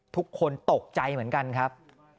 ทุกคนตกใจเหมือนกันครับ